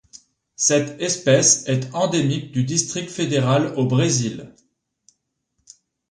Cette espèce est endémique du District fédéral au Brésil.